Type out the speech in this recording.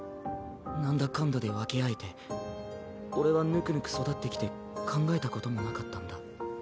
なんだかんだで分け合えて俺はぬくぬく育ってきて考えたこともなかったんだ。